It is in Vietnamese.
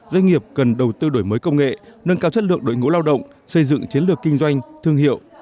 doanh nghiệp cần đầu tư đổi mới công nghệ nâng cao chất lượng đội ngũ lao động xây dựng chiến lược kinh doanh thương hiệu